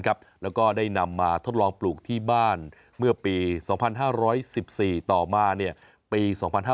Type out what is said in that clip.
แล้วก็ได้นำมาทดลองปลูกที่บ้านเมื่อปี๒๕๑๔ต่อมาปี๒๕๕๙